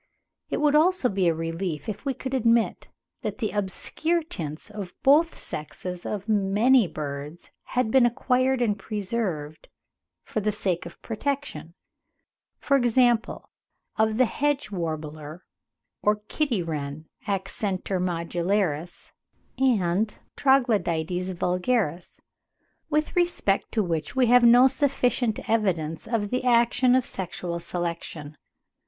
It would also be a relief if we could admit that the obscure tints of both sexes of many birds had been acquired and preserved for the sake of protection,—for example, of the hedge warbler or kitty wren (Accentor modularis and Troglodytes vulgaris), with respect to which we have no sufficient evidence of the action of sexual selection.